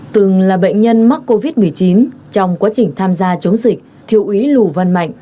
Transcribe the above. từng là bệnh nhân mắc covid một mươi chín trong quá trình tham gia chống dịch thiếu úy lù văn mạnh